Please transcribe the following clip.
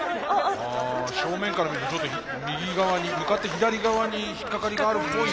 正面から見るとちょっと右側に向かって左側に引っ掛かりがあるっぽいですね。